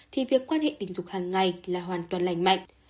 thì việc quan hệ tình dục hàng ngày là hoàn toàn lành mạnh